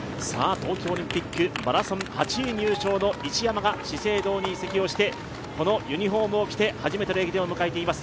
東京オリンピック、マラソン８位入賞の一山が資生堂に移籍をして、このユニフォームを着て初めての駅伝を迎えています。